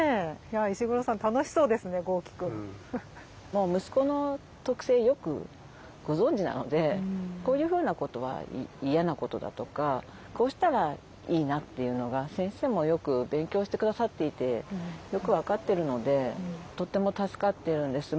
もう息子の特性よくご存じなのでこういうふうなことは嫌なことだとかこうしたらいいなっていうのが先生もよく勉強して下さっていてよく分かってるのでとっても助かってるんです。